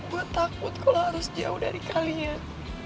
gue takut kalau harus jauh dari kalian